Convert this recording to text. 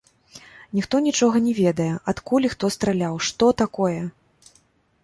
Ніхто нічога не ведае, адкуль і хто страляў, што такое?